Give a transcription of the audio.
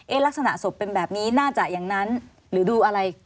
ลักษณะศพเป็นแบบนี้น่าจะอย่างนั้นหรือดูอะไร